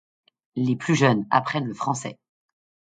Les plus jeunes apprennent le français.